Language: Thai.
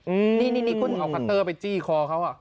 อืมนี่นี่คุณเอาคัตเตอร์ไปจี้คอเขาอ่ะ